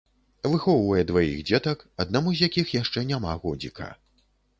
Выхоўвае дваіх дзетак, аднаму з якіх яшчэ няма годзіка.